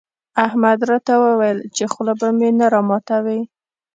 احمد راته وويل چې خوله به مې نه راماتوې.